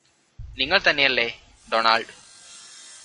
നിങ്ങള് തന്നെയല്ലേ ഡൊണാൾഡ്